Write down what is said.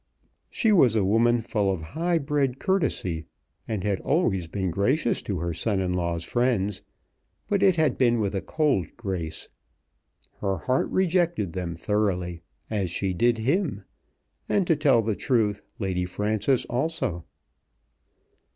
She was a woman full of high bred courtesy, and had always been gracious to her son in law's friends, but it had been with a cold grace. Her heart rejected them thoroughly, as she did him, and, to tell the truth, Lady Frances also.